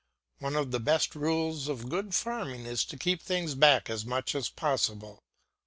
One of the best rules of good farming is to keep things back as much as possible.